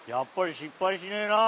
失敗しねえなあ。